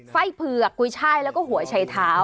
ไส้เผือกกุ้ยไช่แล้วก็หัวไชเท้า